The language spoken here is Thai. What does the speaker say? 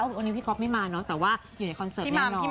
วันนี้พี่ก๊อฟไม่มาเนอะแต่ว่าอยู่ในคอนเสิร์ตแน่นอน